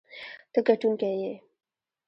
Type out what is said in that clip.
ته ګټونکی یې.